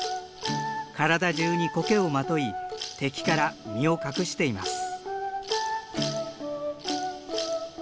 体中にコケをまとい敵から身を隠しています。